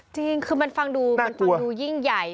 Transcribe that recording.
จริงคือมันฟังดูยิ่งใหญ่